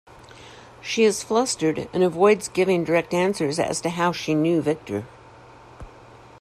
She is flustered and avoids giving direct answers as to how she knew Victor.